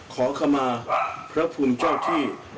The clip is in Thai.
ขอขมาพระคุณเจ้าที่